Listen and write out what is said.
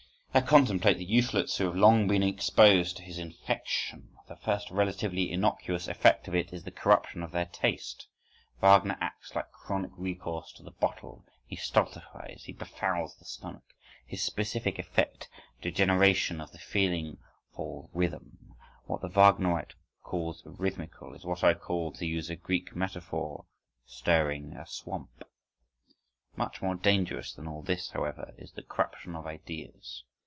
I contemplate the youthlets who have long been exposed to his infection. The first relatively innocuous effect of it is the corruption of their taste. Wagner acts like chronic recourse to the bottle. He stultifies, he befouls the stomach. His specific effect: degeneration of the feeling for rhythm. What the Wagnerite calls rhythmical is what I call, to use a Greek metaphor, "stirring a swamp." Much more dangerous than all this, however, is the corruption of ideas.